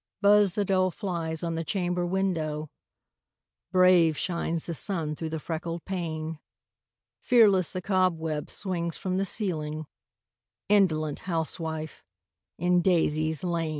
Buzz the dull flies on the chamber window; Brave shines the sun through the freckled pane; Fearless the cobweb swings from the ceiling Indolent housewife, in daisies lain!